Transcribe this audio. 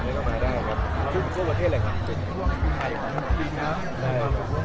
เจนส์แอบพิภาพตรงพิภาพนี้ผมเลยฮะผมเป็นอ่าทรงพลักษณ์